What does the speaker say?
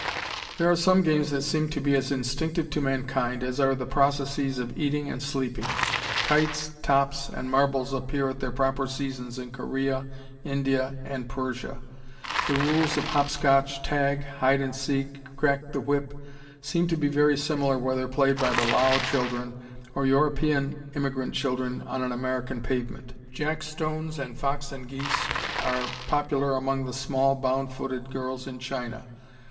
] There are some games that seem to be as instinctive to mankind as are the processes of eating and sleeping. Kites, tops, and marbles appear at their proper seasons in Korea, India, and Persia, the rules of "Hop Scotch," "tag," "hide and seek," "crack the whip" seem to be very similar whether played by the Lao children or European immigrant children on an American pavement. Jack stones and "Fox and Geese" are popular among the small, bound footed girls in China.